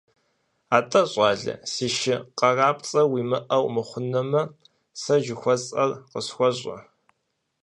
АтӀэ, щӀалэ, си шы къарапцӀэр уимыӀэу мыхъунумэ, сэ жыхуэсӀэр къысхуэщӀэ.